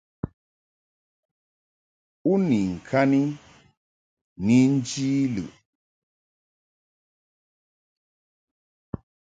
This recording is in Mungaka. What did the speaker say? U ni ŋkani ni nji lɨʼ.